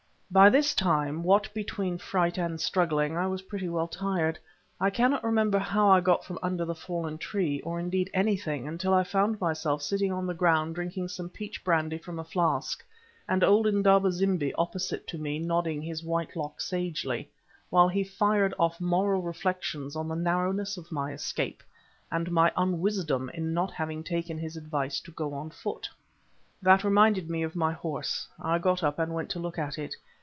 By this time, what between fright and struggling, I was pretty well tired. I cannot remember how I got from under the fallen tree, or indeed anything, until I found myself sitting on the ground drinking some peach brandy from a flask, and old Indaba zimbi opposite to me nodding his white lock sagely, while he fired off moral reflections on the narrowness of my escape, and my unwisdom in not having taken his advice to go on foot. That reminded me of my horse—I got up and went to look at it.